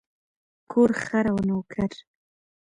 کور، خر او نوکر.